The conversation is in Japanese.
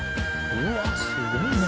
うわすごいね。